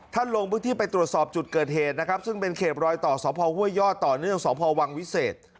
ลงพื้นที่ไปตรวจสอบจุดเกิดเหตุนะครับซึ่งเป็นเขตรอยต่อสพห้วยยอดต่อเนื่องสพวังวิเศษ